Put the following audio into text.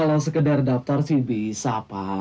kalau sekedar daftar sih bisa pak